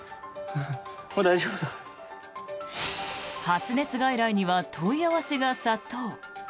発熱外来には問い合わせが殺到。